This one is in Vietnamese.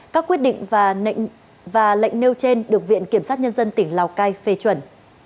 các quyết định và lệnh nêu trên được viện kiểm sát nhân dân tỉnh lào cai phê chuẩn